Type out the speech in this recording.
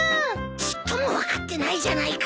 ちっとも分かってないじゃないか。